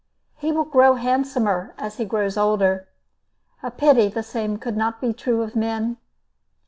He will grow handsomer as he grows older. A pity the same could not be true of men.